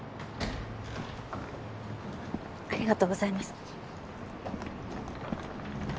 ありがとうございます。